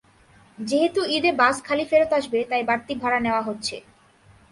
যেহেতু ঈদে বাস খালি ফেরত আসবে তাই বাড়তি ভাড়া নেওয়া হচ্ছে।